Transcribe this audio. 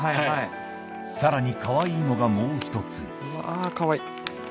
さらにかわいいのがもう１つあぁかわいい。